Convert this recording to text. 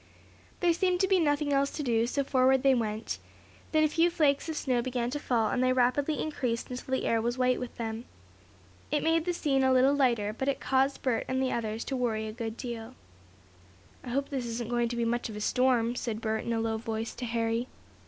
There seemed to be nothing else to do, so forward they went. Then a few flakes of snow began to fall, and they rapidly increased until the air was white with them. It made the scene a little lighter, but it caused Bert and the others to worry a good deal. "I hope this isn't going to be much of a storm," said Bert in a low voice to Harry.